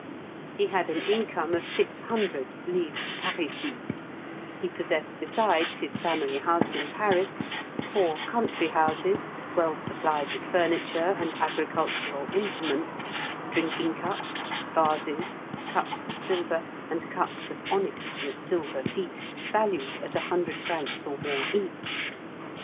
he had an income of 600 livres parisis; he possessed besides his family house in Paris, four country houses, well supplied with furniture and agricultural implements, drinking cups, vases, cups of silver, and cups of onyx with silver feet, valued at 100 francs or more each.